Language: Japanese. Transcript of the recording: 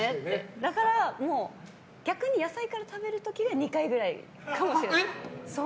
だから逆に野菜から食べる時が２回ぐらいかもしれない。